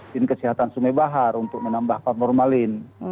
tim kesehatan sumebahar untuk menambahkan formalin